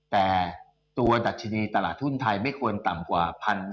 แต่ตัวดัชนีตลาดทุนไทยไม่ควรต่ำกว่า